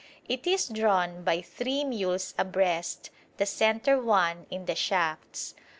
It is drawn by three mules abreast, the centre one in the shafts.